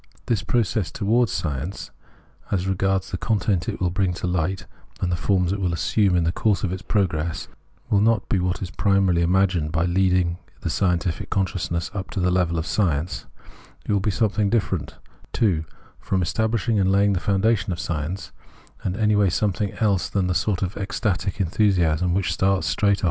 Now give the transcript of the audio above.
This pro cess towards science, as regards the content it will bring to light and the forms it will assume in the course of its progress, will not be what is primarily imagined by leading the unscientific consciousness up to the level of science : it will be something different, too, from establishing and laying the foundations of science ; and anyway something else than the sort of ecstatic enthusiasm which starts straight of!